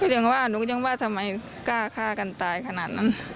ยังว่าหนูก็ยังว่าทำไมกล้าฆ่ากันตายขนาดนั้น